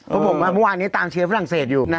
เพราะผมว่าเมื่อวานนี้ตามเชียร์ฝรั่งเศสอยู่นะ